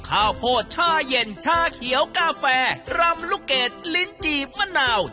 ข้าวโพดชาเย็นชาเขียวกาแฟรำลูกเกดลิ้นจีบมะนาว